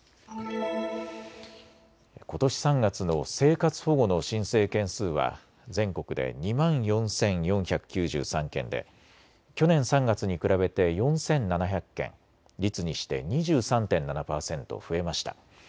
ことし３月の生活保護の申請件数は全国で２万４４９３件で去年３月に比べて４７００件、率にして２３．７％増えました。